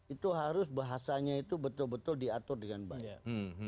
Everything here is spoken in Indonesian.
itu harus bahasanya itu betul betul diatur dengan baik